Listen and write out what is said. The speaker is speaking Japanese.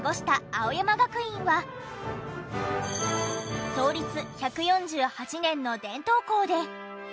青山学院は創立１４８年の伝統校で。